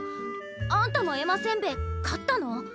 あんたも絵馬せんべい買ったの？